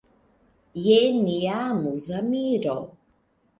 Je nia amuza miro!